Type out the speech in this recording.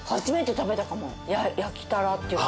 焼き鱈っていうか。